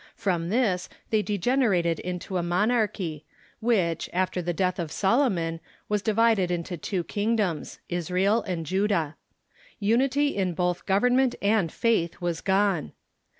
From this they degener ated into a monarchy, which, after the death of Solomon, was divided into two kingdoms — Israel and Judah. Unity in both government and faith was gone.